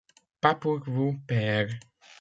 Pas pour vous, père.